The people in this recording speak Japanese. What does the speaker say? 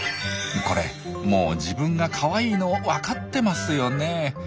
これもう自分がかわいいの分かってますよね。